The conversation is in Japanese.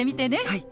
はい！